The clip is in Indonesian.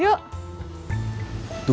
yuk mundur terus